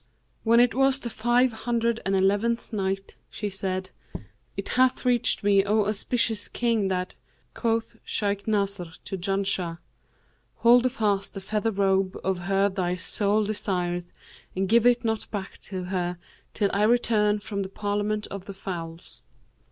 When it was the Five Hundred and Eleventh Night, She said, It hath reached me, O auspicious King, that "quoth Shaykh Nasr to Janshah, 'Hold fast the feather robe of her thy soul desireth and give it not back to her till I return from the Parliament of the Fowls.